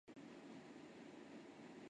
看着外婆落寞的身影